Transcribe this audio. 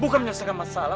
bukan menyelesaikan masalah